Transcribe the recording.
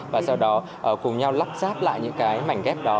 và sau đó cùng nhau lắp ráp lại những cái mảnh ghép đó